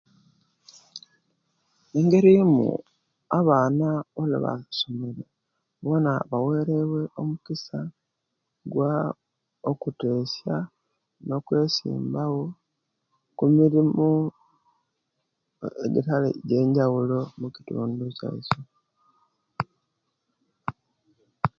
Engeri eyimu abaana ejibasomere bona bawererie empisa kwa okutesya no kwesimbawo kumirimu ejiba jenjaulo mukitundu kyaisu